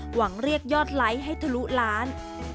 หวังเรียกยอดไลค์ให้ทะลุล้าน